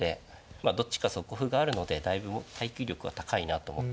どっちか底歩があるのでだいぶ耐久力は高いなと思って。